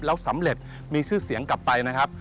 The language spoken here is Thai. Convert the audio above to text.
แล้วสำเร็จมีชื่อเสียงกลับไปนะครับ